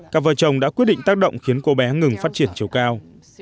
các vợ chồng đã quyết định tác động khiến cô bé ngừng phát triển chiều cao